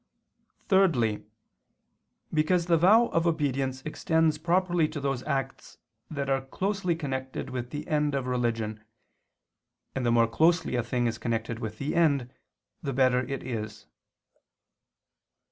Thirdly, because the vow of obedience extends properly to those acts that are closely connected with the end of religion; and the more closely a thing is connected with the end, the better it is.